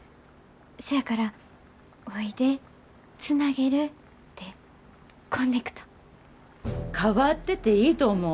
せやからおいでつなげるで「こんねくと」。変わってていいと思う。